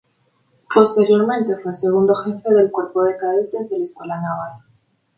Posteriormente fue segundo jefe del Cuerpo de Cadetes de la Escuela Naval.